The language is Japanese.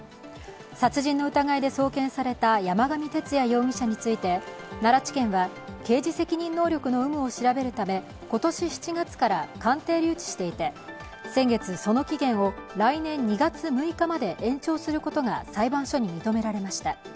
殺人の疑いで送検された山上徹也容疑者について奈良地検は刑事責任能力の有無を調べるため今年７月から鑑定留置していて先月その期限を来年２月６日まで延長することが裁判所に認められました。